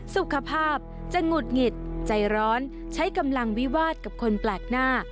สุขภาพจะหงุดหงิดใจร้อนใช้กำลังวิวาสกับคนแปลกหน้า